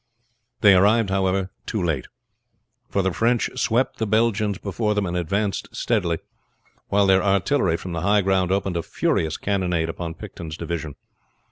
They arrived, however, too late; for the French swept the Belgians before them and advanced steadily, while their artillery from the high ground opened a furious cannonade upon Picton's division.